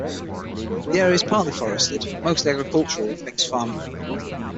The area is partly forested but mostly agricultural with mixed farming.